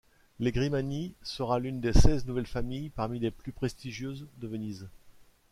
Les Grimani sera l'une des seize nouvelles familles parmi les plus prestigieuses de Venise.